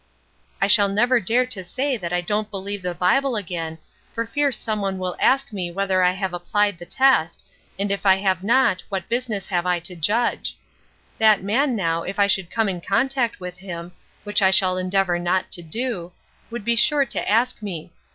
"I shall never dare to say that I don't believe the Bible again, for fear some one will ask me whether I have applied the test, and if I have not what business have I to judge. That man now, if I should come in contact with him, which I shall endeavor not to do, would be sure to ask me.